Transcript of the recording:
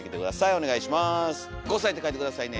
お願いします。